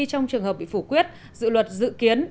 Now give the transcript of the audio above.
trong trường hợp bị phủ quyết dự luật dự kiến